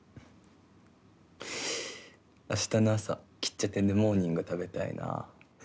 明日の朝きっちゃてんでモーニング食べたいな。